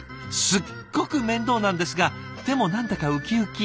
すっごく面倒なんですがでも何だかウキウキ。